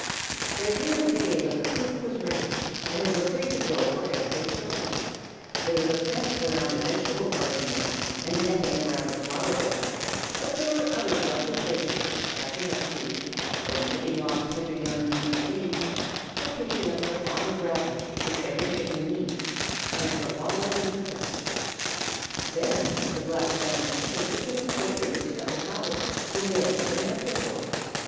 There came a day when the coop was raised and they were free to go where they chose. There was a fence around the vegetable garden now and netting around the flower beds, but there were other lovely places for scratching up food, for nipping off tender young green things, for picking up the fine gravel which every Chicken needs, and for wallowing in the dust. Then the Black Spanish Chickens became acquainted with the other fowls whom they had never met before.